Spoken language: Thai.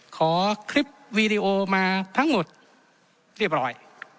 ขอคลิปวีดีโอมาทั้งหมดเรียบร้อย